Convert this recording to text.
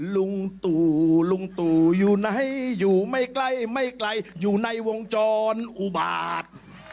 ลุงตู่ลุงตู่อยู่ไหนอยู่ไม่ใกล้ไม่ไกลอยู่ในวงจรอุบาต